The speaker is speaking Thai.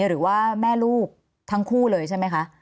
หรือว่าแม่ลูกทั้งคู่เลยใช่ไหมคะ